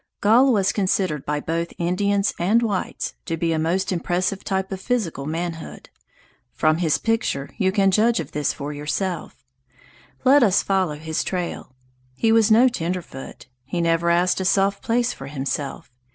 Gall was considered by both Indians and whites to be a most impressive type of physical manhood. From his picture you can judge of this for yourself. Let us follow his trail. He was no tenderfoot. He never asked a soft place for himself.